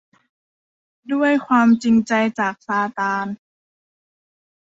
ด้วยความจริงใจ จากซาตาน